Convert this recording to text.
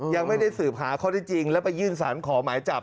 ยังไม่ได้สืบหาข้อที่จริงแล้วไปยื่นสารขอหมายจับ